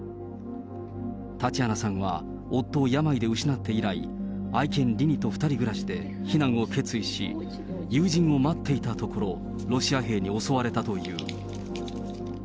タチアナさんは夫を病で失って以来、愛犬リニと２人暮らしで、避難を決意し、友人を待っていたところ、ロシア兵に襲われたという。